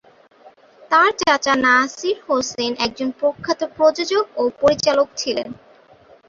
তার চাচা নাসির হোসেন একজন প্রখ্যাত প্রযোজক ও পরিচালক ছিলেন।